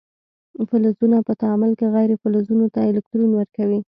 فلزونه په تعامل کې غیر فلزونو ته الکترون ورکوي.